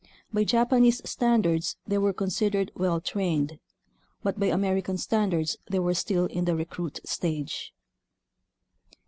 By Japanese standards they were considered well trained, but by American standards they were still in the recruit stage.